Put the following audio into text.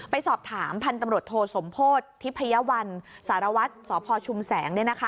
ไปสอบถามพันธุ์ตำรวจโทสมโพธิทิพยวัลสารวัตรสพชุมแสง